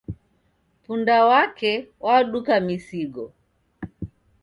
Punda wake waduka misigo